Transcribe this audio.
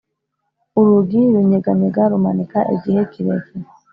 urugi runyeganyega rumanika igihe kirekire